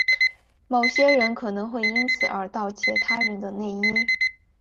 某些人可能会因此而窃盗他人的内衣。